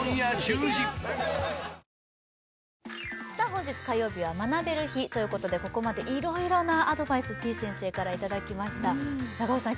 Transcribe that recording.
本日火曜日は学べる日ということでここまでいろいろなアドバイスてぃ先生からいただきました中尾さん